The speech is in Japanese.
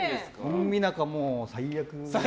コンビ仲、もう、最悪。